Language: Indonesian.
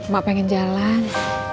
mak pengen jalan